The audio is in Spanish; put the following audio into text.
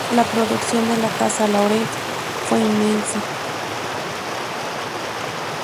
La producción de la Casa Laurent fue inmensa.